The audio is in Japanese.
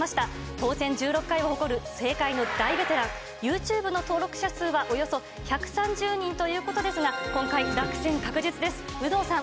当選１６回を誇る政界の大ベテラン、ユーチューブの登録者数はおよそ１３０人ということですが、今回、落選確実です。